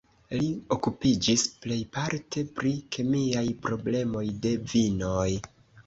Li okupiĝis plejparte pri kemiaj problemoj de vinoj.